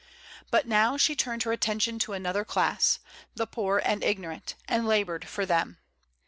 But now she turned her attention to another class, the poor and ignorant, and labored for them.